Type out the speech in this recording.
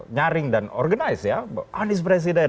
nyaring dan organisasi ya